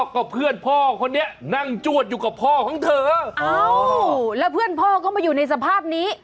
ก็เพื่อนพ่อคนนี้นั่งจวดอยู่กับพ่อของเธออ้าวแล้วเพื่อนพ่อก็มาอยู่ในสภาพนี้